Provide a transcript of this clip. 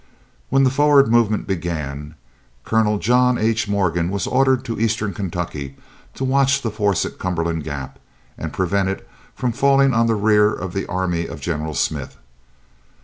When the forward movement began, Colonel John H. Morgan was ordered to Eastern Kentucky to watch the force at Cumberland Gap and prevent it from falling on the rear of the army of General Smith.